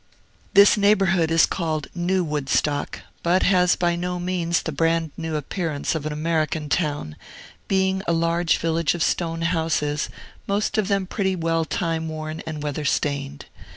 This neighborhood is called New Woodstock, but has by no means the brand new appearance of an American town, being a large village of stone houses, most of them pretty well time worn and weather stained.